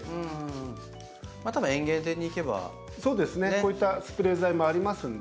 こういったスプレー剤もありますんで。